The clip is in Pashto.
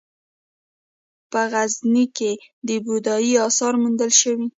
په غزني کې د بودايي اثار موندل شوي